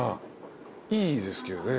いいですけどね。